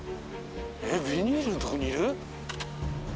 えっビニールのとこにいる？